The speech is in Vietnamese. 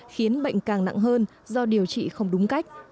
khiến bệnh càng nặng hơn do điều trị không đúng cách